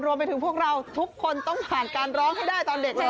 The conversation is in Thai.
รวมไปถึงพวกเราทุกคนต้องผ่านการร้องให้ได้ตอนเด็กเลย